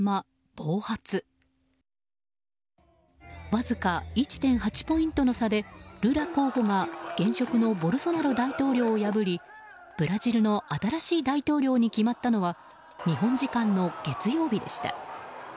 わずか１．８ポイントの差でルラ候補が現職のボルソナロ大統領を破りブラジルの新しい大統領に決まったのは日本時間の月曜日でした。